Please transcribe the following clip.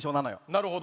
なるほど。